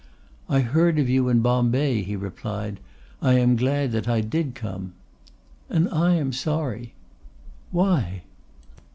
"I heard of you in Bombay," he replied. "I am glad that I did come." "And I am sorry." "Why?"